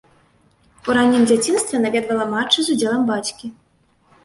У раннім дзяцінстве наведвала матчы з удзелам бацькі.